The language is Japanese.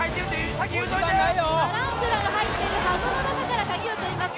タランチュラが入っている箱の中から鍵を取ります